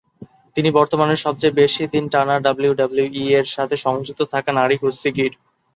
তিনি বর্তমানে সবচেয়ে বেশি দিন টানা ডাব্লিউডাব্লিউইর সাথে সংযুক্ত থাকা নারী কুস্তিগীর।